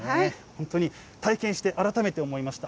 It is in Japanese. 本当に体験して、改めて思いました。